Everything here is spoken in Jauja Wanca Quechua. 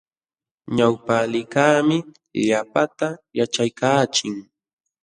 Ñawpaqlikaqmi llapanta yaćhaykaachin.